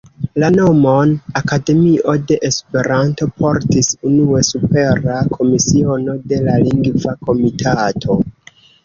La nomon "Akademio de Esperanto" portis unue supera komisiono de la Lingva Komitato.